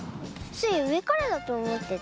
スイうえからだとおもってた。